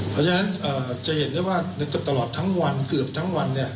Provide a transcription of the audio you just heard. เพราะฉะนั้นจะเห็นว่าตลอดทั้งวันเกือบทั้งวัน